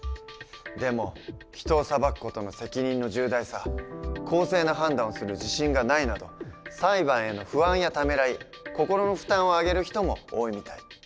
でも人を裁く事の責任の重大さ公正な判断をする自信がないなど裁判への不安やためらい心の負担を挙げる人も多いみたい。